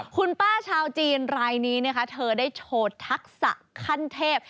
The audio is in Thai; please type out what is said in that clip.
คุณป้าชาวจีนรายนี้นะคะเธอได้โชว์ทักษะขั้นเทพ